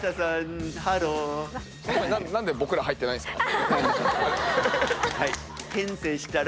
何で僕ら入ってないんすか？